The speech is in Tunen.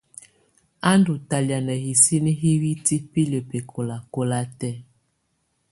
U ndù talɛ̀á na hisinǝ hitibilǝ bɛkɔlakɔla tɛ̀á.